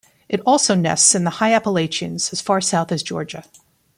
It also nests in the high Appalachians as far south as Georgia.